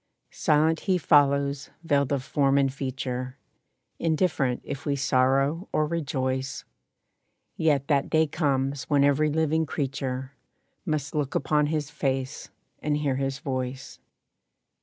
Silent he follows, veiled of form and feature, Indifferent if we sorrow or rejoice, Yet that day comes when every living creature Must look upon his face and hear his voice.